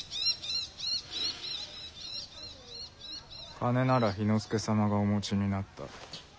金なら氷ノ介様がお持ちになった。